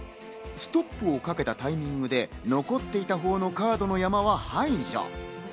ストップをかけたタイミングで残っていた方のカードの山は排除。